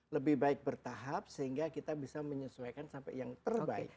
lebih baik bertahap sehingga kita bisa menyesuaikan sampai yang terbaik